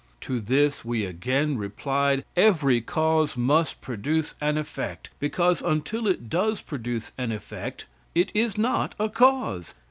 To this we again replied: Every cause must produce an effect, because until it does produce an effect, it is not a cause.